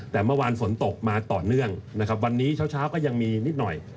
แต่เมื่อวานฝนตกมาต่อเนื่องนะครับวันนี้เช้าเช้าก็ยังมีนิดหน่อย